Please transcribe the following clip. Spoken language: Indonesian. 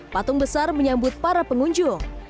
patung besar menyambut para pengunjung